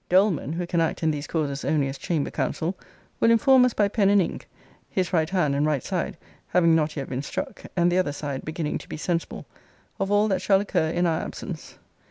DOLEMAN, who can act in these causes only as chamber counsel, will inform us by pen and ink [his right hand and right side having not yet been struck, and the other side beginning to be sensible] of all that shall occur in our absence.